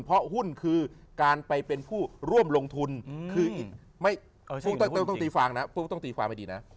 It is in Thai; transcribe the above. เพราะหุ้นคือการไปเป็นผู้ร่วมลงทุน